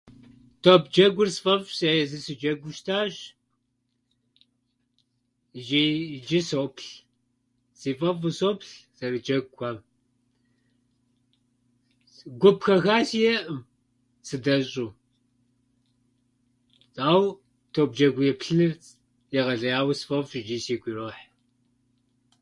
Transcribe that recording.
Топ джэгур сфӏэфӏщ, сэ езыр сыджэгуу щытащ, ичӏи- ичӏи сополъ. Си фӏэфӏу соплъ зэрыджэгухьэм. Гуп хэха сиӏэӏым сыдэщӏу, ауэ топ джэгу еплъыныр егъэлеяуэ сфӏэфӏщ ичӏи сигу ирохь.